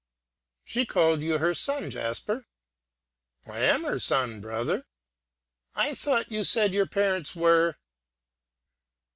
"She called you her son, Jasper?" "I am her son, brother." "I thought you said your parents were